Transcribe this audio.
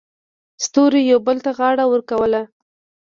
ستورو یو بل ته غاړه ورکوله.